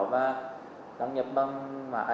và đăng nhập bằng mạng